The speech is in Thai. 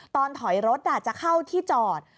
ตอนถอยรถจะเข้าที่จอด